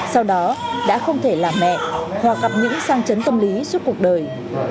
sau đó đã không thể làm mẹ hoặc gặp những sang chấn tâm lý suốt cuộc đời